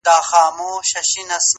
سر مي بلند دی؛